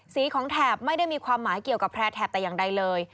สีของแถบไม่ได้มีความหมายเกี่ยวกับแพร่แถบแต่อย่างใดเลย